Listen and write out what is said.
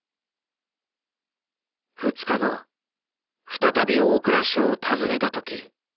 ２日後再び大蔵省を訪ねた時。